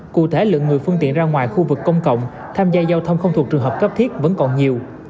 cụ thể lượng người phương tiện ra ngoài khu vực công cộng tham gia giao thông không thuộc trường hợp cấp thiết vẫn còn nhiều